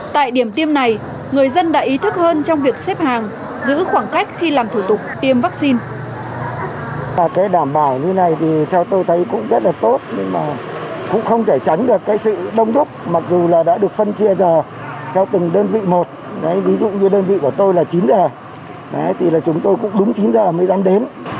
tại điểm tiêm này người dân đã ý thức hơn trong việc xếp hàng giữ khoảng cách khi làm thủ tục tiêm vaccine